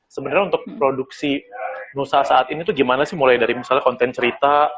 sebenarnya untuk produksi nusa saat ini tuh gimana sih mulai dari misalnya konten cerita